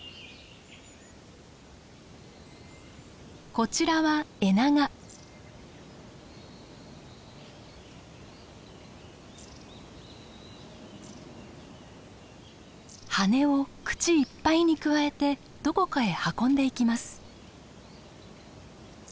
こちらは羽根を口いっぱいにくわえてどこかへ運んでいきます。